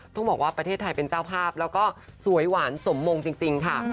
ต้องบอกว่าประเทศไทยเป็นเจ้าภาพแล้วก็สวยหวานสมมงจริงค่ะ